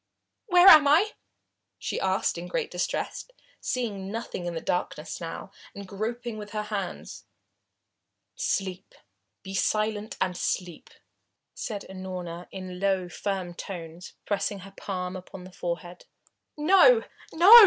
"Where am I?" she asked in great distress, seeing nothing in the darkness now, and groping with her hands. "Sleep be silent and sleep!" said Unorna in low, firm tones, pressing her palm upon the forehead. "No no!"